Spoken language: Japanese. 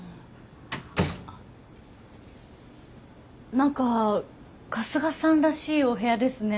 何か春日さんらしいお部屋ですね。